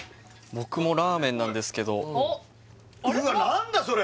僕もラーメンなんですけどおっうわっ何だそれ！？